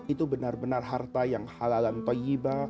itu benar benar harta yang halalan toyiba